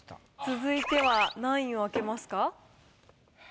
続いては何位を開けますか？